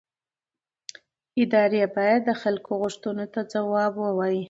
ادارې باید د خلکو غوښتنو ته ځواب ووایي